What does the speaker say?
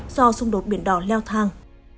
do xung đột biển đỏ leo thang